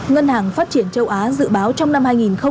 ngân hàng phát triển châu á dự báo trong năm hai nghìn hai mươi